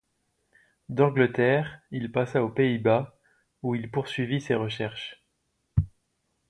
D’Angleterre, il passa aux Pays-Bas, où il poursuivit ses recherches.